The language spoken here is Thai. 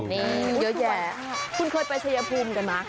นี่เยอะแยะคุณเคยไปชัยภูมิกันไหม